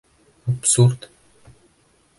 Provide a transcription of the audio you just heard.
Абсурд!